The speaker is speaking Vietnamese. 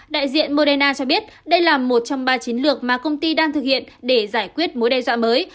đại diện moderna cho biết đây là một trong ba chiến lược mà công ty đang thực hiện để giải quyết mối đe dọa mới